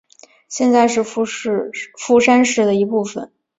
现在是富山市的一部分。